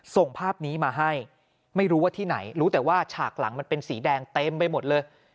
ส่งภาพนี้มาให้ไม่รู้ว่าที่ไหนรู้แต่ว่าฉากหลังมันเป็นสีแดงเต็มไปหมดเลย